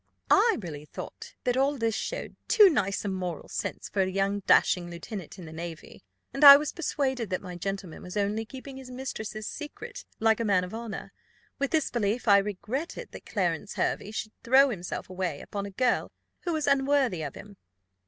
"I really thought that all this showed too nice a moral sense for a young dashing lieutenant in the navy, and I was persuaded that my gentleman was only keeping his mistress's secret like a man of honour. With this belief, I regretted that Clarence Hervey should throw himself away upon a girl who was unworthy of him."